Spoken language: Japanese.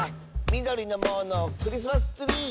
「みどりのものクリスマスツリー！」